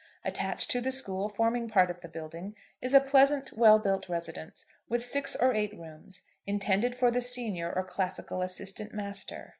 Attached to the school, forming part of the building, is a pleasant, well built residence, with six or eight rooms, intended for the senior or classical assistant master.